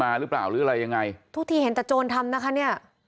หรือเปล่าหรืออะไรยังไงทุกทีเห็นแต่โจรทำนะคะเนี่ย